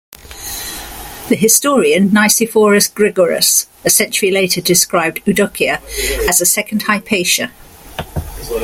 The historian Nicephorus Gregoras, a century later, described Eudokia as a "second Hypatia".